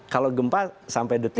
kalau gempa sampai detik